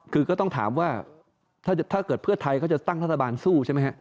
คือก็ต้องถามว่าถ้าเกิดเพื่อไทยเขาจะตั้งรัฐบาลสู้ใช่ไหมฮะ